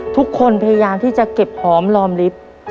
ทุกคนพยายามที่จะเก็บหอมลอมลิฟท์